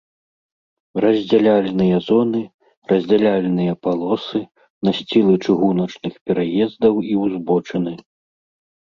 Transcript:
Раздзяляльныя зоны, раздзяляльныя палосы, насцілы чыгуначных пераездаў і ўзбочыны